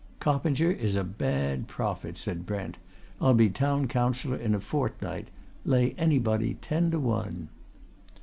"Coppinger is a bad prophet," said Brent. "I'll be Town Councillor in a fortnight. Lay anybody ten to one!"